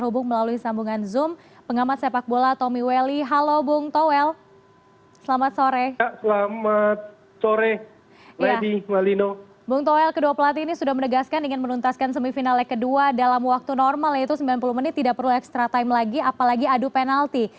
bungel kedua pelatih ini sudah menegaskan ingin menuntaskan semifinal leg kedua dalam waktu normal yaitu sembilan puluh menit tidak perlu ekstra time lagi apalagi adu penalti